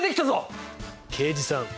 刑事さん